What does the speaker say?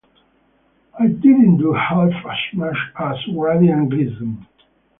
I didn't do half as much as Grady and Gleason.